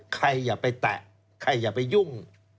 อย่าไปแตะใครอย่าไปยุ่ง